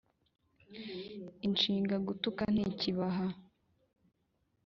Inshinga gutuka ntikibaha